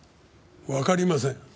わかりません。